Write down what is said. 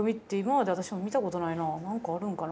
何かあるんかな？